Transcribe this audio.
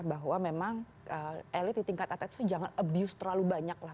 bahwa memang elit di tingkat atas itu jangan abuse terlalu banyak lah